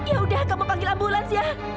ya udah kamu panggil ambulans ya